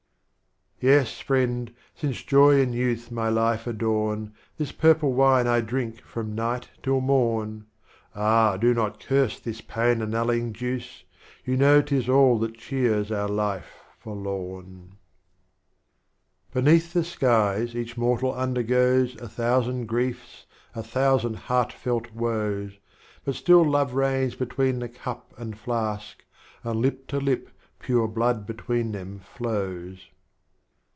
XII. Yes, Friend, since Joy and Youth my Life adorn, This purple Wine I drink from Night till Morn, Ah, do not curse this pain annulling Juice, — You know 'tis all that cheers our Life forlorn. Strophes of Omar Khayyam. 41 XIII. Beneath the Skies each Mortal undergoes A thousand Griefs, a thousand Heartfelt Woes, But still Love reigns between the Cup and Flask, And Lip to Lip pure Blood between them flows.